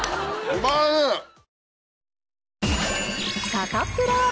サタプラ。